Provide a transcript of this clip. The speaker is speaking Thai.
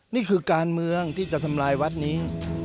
นี่คือการเมืองที่จะทำลายวัดนี้